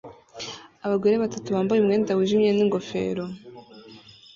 Abagore batatu bambaye umwenda wijimye n'ingofero